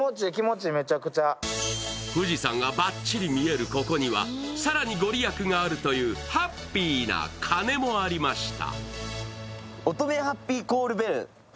富士山がバッチリ見えるここには更にご利益があるというハッピーな鐘もありました。